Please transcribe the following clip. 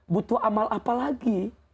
butuh amal apa lagi